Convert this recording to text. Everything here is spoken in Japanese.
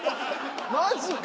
マジか！